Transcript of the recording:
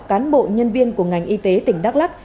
cán bộ nhân viên của ngành y tế tỉnh đắk lắc